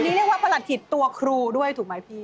นี่เรียกว่าประหลัดถิตตัวครูด้วยถูกไหมพี่